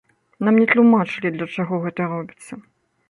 Нам не тлумачылі, для чаго гэта робіцца.